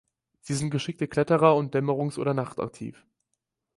Sie sind geschickte Kletterer und dämmerungs- oder nachtaktiv.